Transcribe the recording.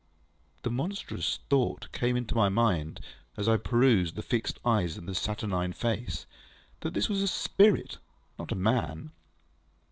ŌĆØ The monstrous thought came into my mind, as I perused the fixed eyes and the saturnine face, that this was a spirit, not a man.